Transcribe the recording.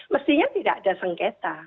mestinya tidak ada sengketa